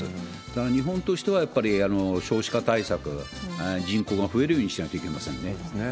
だから日本としては、やっぱり少子化対策、人口が増えるようにしないといけませんよね。